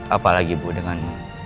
apalagi bu dengan